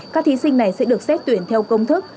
các thí sinh này sẽ được xét tuyển theo công thức